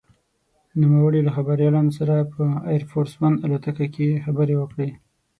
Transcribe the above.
نوموړي له خبریالانو سره په «اېر فورس ون» الوتکه کې خبرې وکړې.